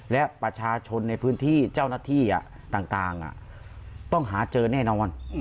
และประชาชนในพื้นที่เจ้าหน้าที่ต่างต้องหาเจอแน่นอน